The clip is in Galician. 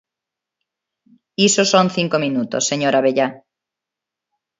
Iso son cinco minutos, señor Abellá.